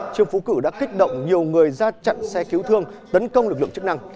trương phú cử đã kích động nhiều người ra chặn xe cứu thương tấn công lực lượng chức năng